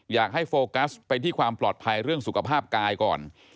อยากให้โฟกัสไปที่ความปลอดภัยเรื่องสุขภาพกายก่อน